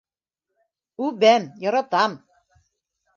Үбәм, яратам.